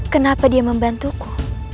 kenapa dia membantuku